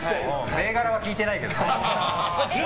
銘柄は聞いてないけどね。